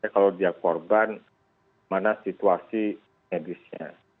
kalau dia korban mana situasi medisnya